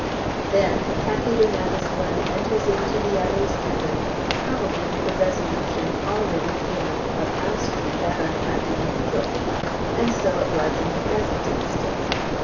Then the pachydermatous one enters into the other's heaven, probably with the resolution already formed of ousting that unhappy angel. And so it was in the present instance.